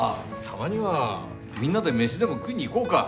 たまにはみんなで飯でも食いに行こうか。